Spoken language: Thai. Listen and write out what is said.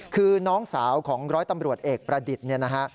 คือน้องสาวของร้อยตำรวจเอกประดิษฐ์เนี่ยนะฮะ